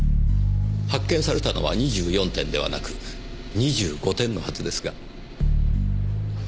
発見されたのは２４点ではなく２５点のはずですが？